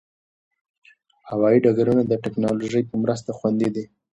هوايي ډګرونه د ټکنالوژۍ په مرسته خوندي دي.